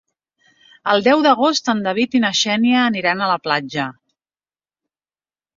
El deu d'agost en David i na Xènia aniran a la platja.